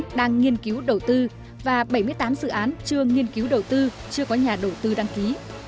đang nghiên cứu đầu tư và bảy mươi tám dự án chưa nghiên cứu đầu tư chưa có nhà đầu tư đăng ký